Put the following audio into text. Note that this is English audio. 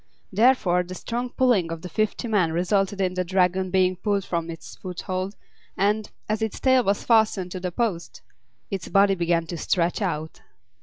Therefore the strong pulling of the fifty men resulted in the Dragon being pulled from its foothold, and, as its tail was fastened to the post, its body began to stretch out.